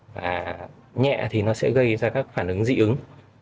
và nhẹ thì nó sẽ gây ra các phản ứng dị ứng